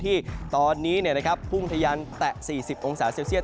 ที่ตอนนี้พุ่งทะยันแตะ๔๐องศาเซลเซียต